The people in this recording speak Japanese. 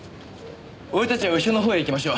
俺たちは潮の方へ行きましょう。